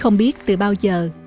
không biết từ bao giờ